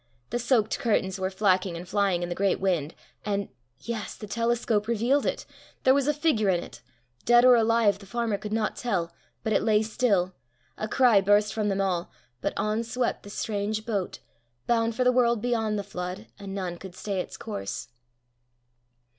The soaked curtains were flacking and flying in the great wind and yes, the telescope revealed it! there was a figure in it! dead or alive the farmer could not tell, but it lay still! A cry burst from them all; but on swept the strange boat, bound for the world beyond the flood, and none could stay its course.